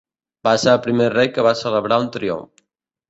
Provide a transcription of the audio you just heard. Va ser el primer rei que va celebrar un triomf.